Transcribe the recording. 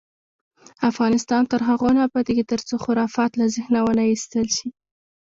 افغانستان تر هغو نه ابادیږي، ترڅو خرافات له ذهنه ونه ایستل شي.